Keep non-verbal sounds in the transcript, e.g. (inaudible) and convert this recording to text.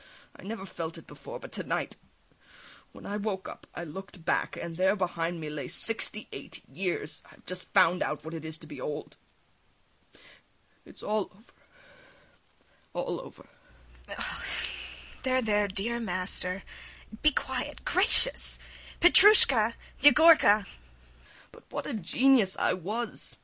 I never felt it before, but to night, when I woke up, I looked back, and there behind me lay sixty eight years. I have just found out what it is to be old! It is all over. ... (cries) all over. IVANITCH. There, there, dear master! Be quiet ... gracious! [Calls] Petrushka! Yegorka! SVIETLOVIDOFF. But what a genius I was!